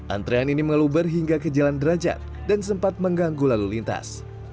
antrean ini mengeluber hingga ke jalan derajat dan sempat mengganggu lalu lintas